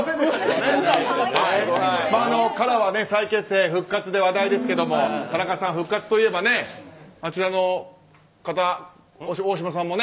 ＫＡＲＡは再結成、復活で話題ですけれども田中さん、復活といえばあちらの方大島さんもね。